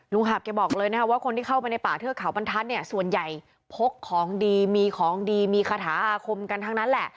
รู้ห่ะเก่าบอกเลยนะว่ามันที่เข้าไปในป่าเทือขาวปันทัศน์เนี่ยส่วนใหญ่พกของดีมีของลีิมีคาถาคมกันทั้งนั้นแหละ